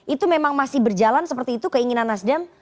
itu memang masih berjalan seperti itu keinginan nasdem